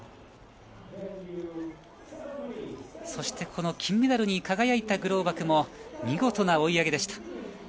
そして、金メダルに輝いたグローバクも見事な追い上げでした。